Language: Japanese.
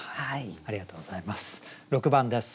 ありがとうございます。